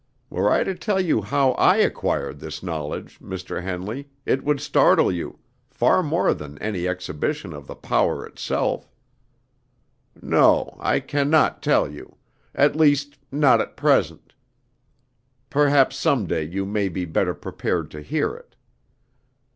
Were I to tell you how I acquired this knowledge, Mr. Henley, it would startle you, far more than any exhibition of the power itself. No, I can not tell you; at least, not at present; perhaps some day you may be better prepared to hear it."